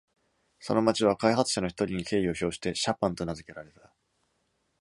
その町は開発者の一人に敬意を表して Chapin と名付けられた。